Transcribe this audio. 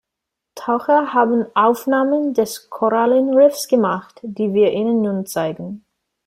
Taucher haben Aufnahmen des Korallenriffs gemacht, die wir Ihnen nun zeigen.